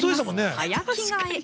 早着替え。